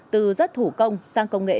từ rất thủ công sang công nghệ bốn